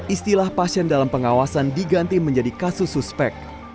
istilah pasien dalam pengawasan diganti menjadi kasus suspek